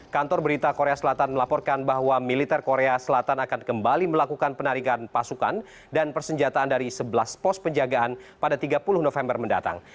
kantor berita korea selatan melaporkan bahwa militer korea selatan akan kembali melakukan penarikan pasukan dan persenjataan dari sebelas pos penjagaan pada tiga puluh november mendatang